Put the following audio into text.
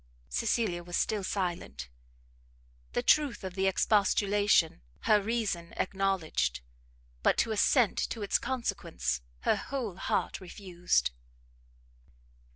Cecilia was still silent; the truth of the expostulation her reason acknowledged, but to assent to its consequence her whole heart refused.